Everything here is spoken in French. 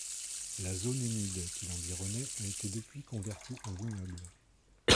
La zone humide qui l'environnait a été depuis convertie en vignobles.